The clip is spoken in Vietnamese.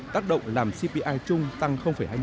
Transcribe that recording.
tác động làm cpi chung tăng hai mươi năm